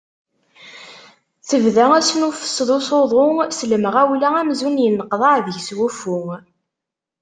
Tebda asnuffes d usuḍu s lemɣawla amzun yenneqḍaɛ deg-s wuffu.